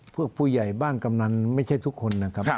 ผู้ใหญ่บ้านกำนันไม่ใช่ทุกคนนะครับ